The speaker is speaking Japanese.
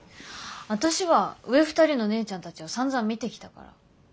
私は上２人の姉ちゃんたちをさんざん見てきたから。